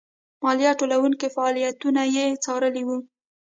مالیه ټولوونکو فعالیتونه یې څارلي وو.